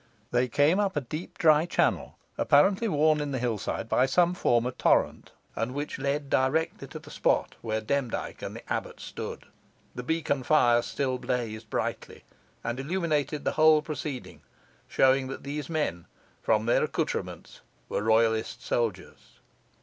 They came up a deep dry channel, apparently worn in the hill side by some former torrent, and which led directly to the spot where Demdike and the abbot stood. The beacon fire still blazed brightly, and illuminated the whole proceeding, showing that these men, from their accoutrements, were royalist soldiers.